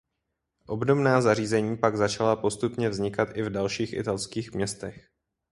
Obdobná zařízení pak začala postupně vznikat i v dalších italských městech.